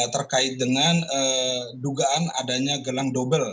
terkait dengan dugaan adanya gelang dobel